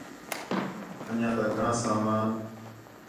انڄیاں تا گھݨاں سامان